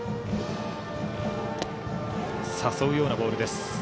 誘うようなボールでした。